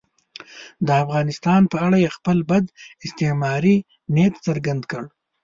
د افغانستان په اړه یې خپل بد استعماري نیت څرګند کړ.